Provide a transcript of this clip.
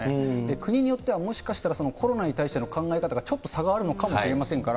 国によってはもしかしたら、コロナに対しての考え方がちょっと差があるのかもしれませんから。